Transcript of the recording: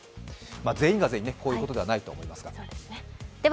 全員が全員、こういうことではないと思いますが。